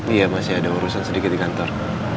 iya masih ada urusan sedikit di kantor